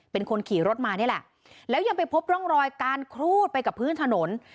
เป็นคนขี่รถมานี่แหละแล้วยังไปพบร่องรอยการครูดไปกับพื้นถนน